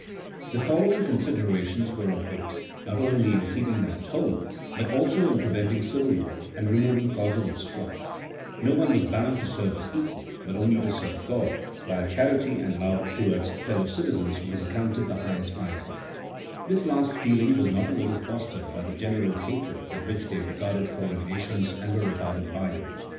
231 The following considerations were of weight, not only in keeping them at home, bnt also in preventing civil war and removing causes of strife : no one was bound to serve his equal, but only to serve G od, while charity and love to wards fellow citizens was accounted the highest piety ; this last feeling was not a little fostered by the general hatred with which they regarded foreign nations and were regarded by them.